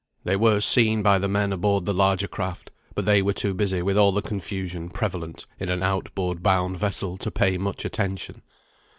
They were seen by the men aboard the larger craft; but they were too busy with all the confusion prevalent in an outward bound vessel to pay much attention.